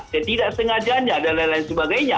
ketidaksengajaannya dan lain lain sebagainya